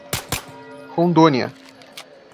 Rondônia